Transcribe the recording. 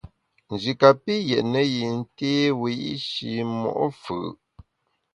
Nji kapi yètne yin té wiyi’shi mo’ fù’.